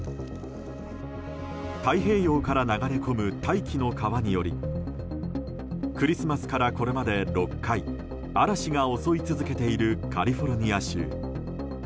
太平洋から流れ込む大気の川によりクリスマスからこれまで６回嵐が襲い続けているカリフォルニア州。